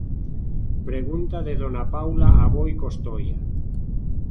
Pregunta de dona Paula Aboi Costoia.